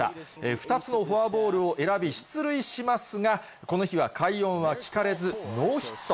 ２つのフォアボールを選び出塁しますが、この日は快音は聞かれず、ノーヒット。